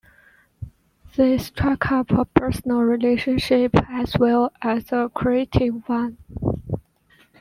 They struck up a personal relationship as well as a creative one.